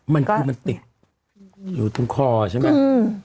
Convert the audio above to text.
มันคือมันติดอยู่ตรงคอใช่ไหม